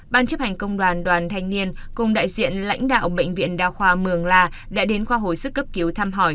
ban chấp hành công đoàn đoàn thanh niên cùng đại diện lãnh đạo bệnh viện đa khoa mường la đã đến khoa hồi sức cấp cứu thăm hỏi